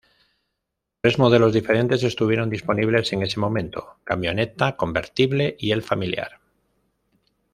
Tres modelos diferentes estuvieron disponibles en ese momento: camioneta, convertible, y el familiar.